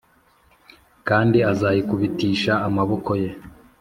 kandi azayikubitisha amaboko ye